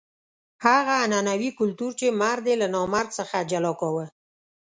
هغه عنعنوي کلتور چې مرد یې له نامرد څخه جلا کاوه.